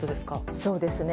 そうですね。